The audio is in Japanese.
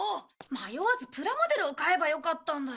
迷わずプラモデルを買えばよかったんだ。